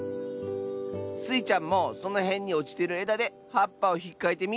スイちゃんもそのへんにおちてるえだではっぱをひっかいてみ。